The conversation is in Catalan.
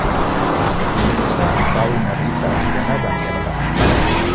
Diumenge en Pau i na Rita iran a Beniardà.